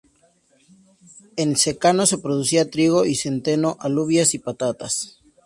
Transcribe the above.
En secano se producía trigo y centeno, alubias y patatas.